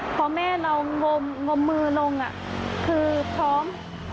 พอแม่เรางมมือลงคือพร้อม